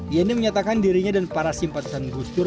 yeni menyatakan dirinya dan para simpatisan gusdur